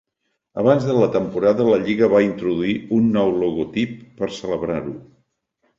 Abans de la temporada, la lliga va introduir un nou logotip per celebrar-ho.